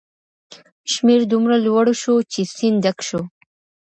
شمیر دومره لوړ شو چې سیند ډک شو.